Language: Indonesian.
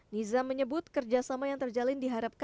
nizam menyebut kerjasama yang terjalin di harapannya